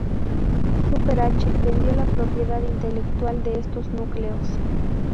Súper H vendió la propiedad intelectual de estos núcleos.